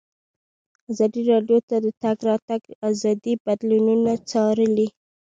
ازادي راډیو د د تګ راتګ ازادي بدلونونه څارلي.